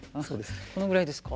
このぐらいですか？